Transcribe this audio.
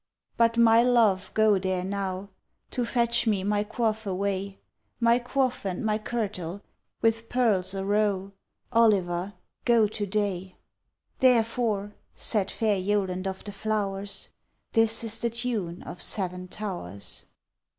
_ By my love go there now, To fetch me my coif away, My coif and my kirtle, with pearls arow, Oliver, go to day! _Therefore, said fair Yoland of the flowers, This is the tune of Seven Towers.